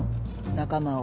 仲間を。